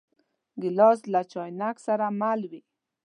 ګیلاس له چاینک سره مل وي.